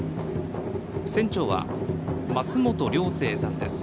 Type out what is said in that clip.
船長は増本良生さんです。